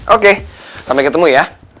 oke sampai ketemu ya